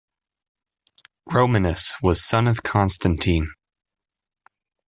Romanus was son of Constantine.